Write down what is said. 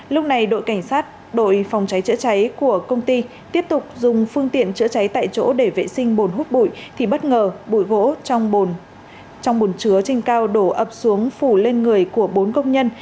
lúc này đội cảnh sát đội phòng cháy chữa cháy của công ty tiếp tục dùng phương tiện chữa cháy tại chỗ để vệ sinh bồn hút bụi thì bất ngờ bụi gỗ trong bồn chứa trên cao đổ ập xuống phủ lên người của bốn công nhân